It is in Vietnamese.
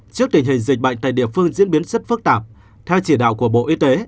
trước tình hình dịch bệnh tại địa phương diễn biến rất phức tạp theo chỉ đạo của bộ y tế